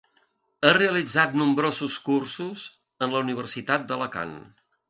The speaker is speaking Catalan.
Ha realitzat nombrosos cursos en la Universitat d'Alacant.